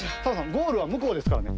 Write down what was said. ゴールはむこうですからね。